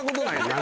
何？